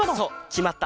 きまった！